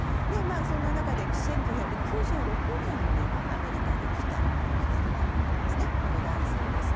そんな中で１９９６年にアメリカに来た写真の男性です。